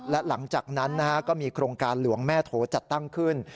และหลังจากนั้นก็มีโครงการหลวงแม่โถจัดตั้งขึ้น